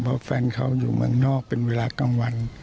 เพราะแฟนเขาอยู่เมืองนอกเป็นเวลากลางวัน